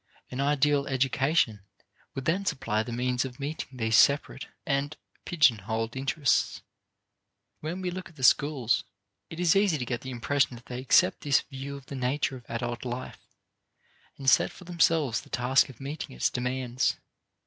An ideal education would then supply the means of meeting these separate and pigeon holed interests. And when we look at the schools, it is easy to get the impression that they accept this view of the nature of adult life, and set for themselves the task of meeting its demands.